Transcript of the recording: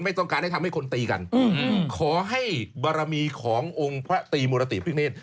ต้องการให้ทำให้คนตีกันขอให้บารมีขององค์พระตรีมุรติพิเนธ